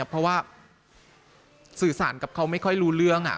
เพราะว่าสื่อสารกับเขาไม่ค่อยรู้เรื่อง